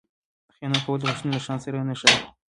خیانت کول د پښتون له شان سره نه ښايي.